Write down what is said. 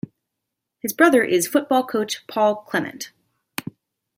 His brother is football coach Paul Clement.